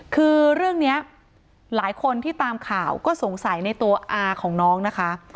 คือเรื่องนี้หลายคนที่ตามข่าวก็สงสัยในตัวอาของน้องนะคะ